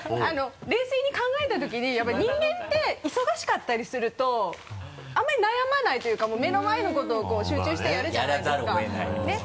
冷静に考えたときにやっぱり人間って忙しかったりするとあんまり悩まないというかもう目の前のことをこう集中してやるじゃないですかやらざるを得ない。ねぇ？